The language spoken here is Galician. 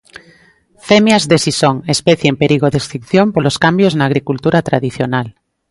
Femias de sisón, especie en perigo de extinción polos cambios na agricultura tradicional.